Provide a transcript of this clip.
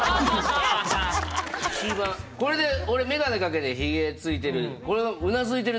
これで俺眼鏡かけてヒゲついてる。